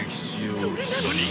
それなのに。